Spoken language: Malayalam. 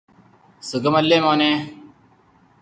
സുഖമല്ലേ മോനെ